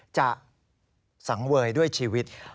สังเวยด้วยชีวิต